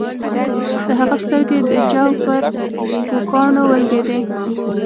د هغه سترګې د جو په پوکاڼو ولګیدې